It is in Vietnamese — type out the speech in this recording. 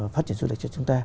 phát triển du lịch cho chúng ta